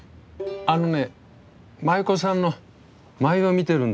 あのね舞妓さんの舞を見てるんです。